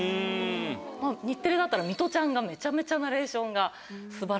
日テレだったらミトちゃんがめちゃめちゃナレーションが。